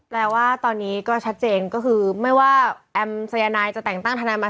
แปลว่าตอนนี้ก็ชัดเจนก็คือไม่ว่าแอมสายนายจะแต่งตั้งทนายมา